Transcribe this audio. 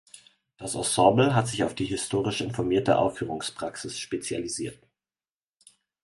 Das Ensemble hat sich auf die Historisch informierte Aufführungspraxis spezialisiert.